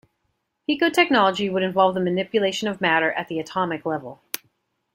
Picotechnology would involve the manipulation of matter at the atomic level.